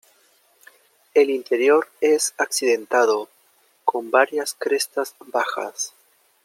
El interior es accidentado, con varias crestas bajas.